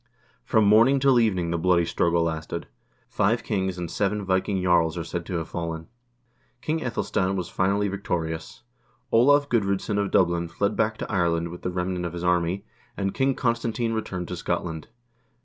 From morning till evening the bloody struggle lasted. Five kings and seven Viking jarls are said to have fallen. King iEthelstan was finally victorious. Olav Gudr0dsson of Dublin fled back to Ireland with the remnant of his army, and King Constantine returned to Scotland.